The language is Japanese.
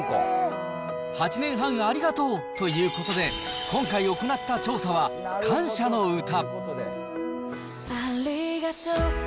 ８年半ありがとうということで、今回行った調査は感謝の歌。